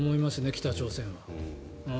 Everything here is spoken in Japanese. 北朝鮮は。